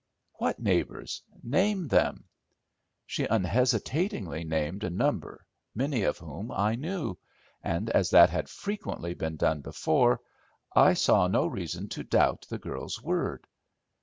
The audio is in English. "What neighbours? Name them." She unhesitatingly named a number, many of whom I knew; and as that had frequently been done before, I saw no reason to doubt the girl's word.